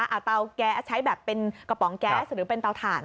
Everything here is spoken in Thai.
เอาเตาแก๊สใช้แบบเป็นกระป๋องแก๊สหรือเป็นเตาถ่าน